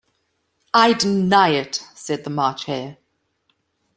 ‘I deny it!’ said the March Hare.